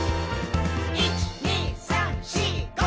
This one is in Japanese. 「１．２．３．４．５．」